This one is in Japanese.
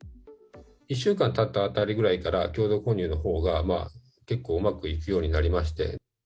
１週間たったあたりぐらいから、共同購入のほうが、結構うまくいくようになりまして。